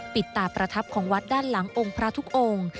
ปิดตาประทับของวัดด้านหลังองค์พระทุกองค์